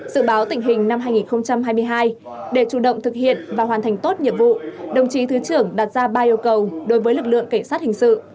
dự báo tình hình năm hai nghìn hai mươi hai để chủ động thực hiện và hoàn thành tốt nhiệm vụ đồng chí thứ trưởng đặt ra ba yêu cầu đối với lực lượng cảnh sát hình sự